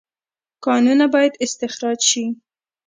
کانونه باید استخراج شي